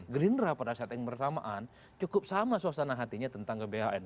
gerindra pada saat yang bersamaan cukup sama suasana hatinya tentang gbhn